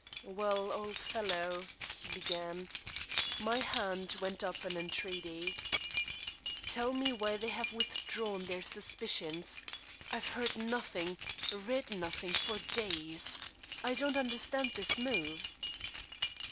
"Well, old fellow," he began My hand went up in entreaty. "Tell me why they have withdrawn their suspicions. I've heard nothing read nothing for days. I don't understand this move."